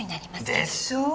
でしょう？